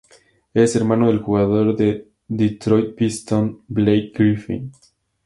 Es hermano del jugador de Detroit Pistons Blake Griffin.